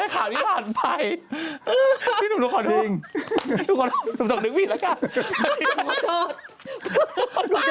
ขอโทษนะครับ